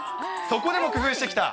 そこでも工夫してきた。